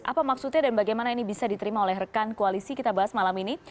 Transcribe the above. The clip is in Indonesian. apa maksudnya dan bagaimana ini bisa diterima oleh rekan koalisi kita bahas malam ini